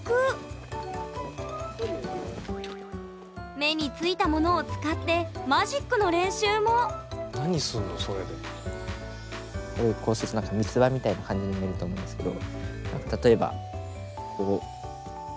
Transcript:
目についたものを使ってマジックの練習もこうしてると何か三つ葉みたいな感じに見えると思うんですけど。